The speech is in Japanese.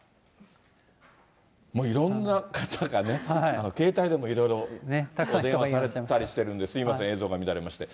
もういろんな方がね、携帯でもいろいろ電話されたりしてるんで、すみません、映像が乱れました。